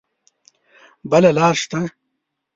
بله لار شته؟